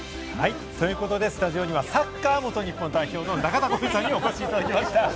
ということで、スタジオにはサッカー元日本代表の中田浩二さんにお越しいただきました。